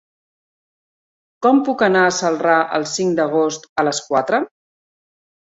Com puc anar a Celrà el cinc d'agost a les quatre?